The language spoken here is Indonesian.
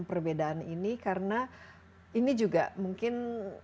perbedaan ini karena ini juga mungkin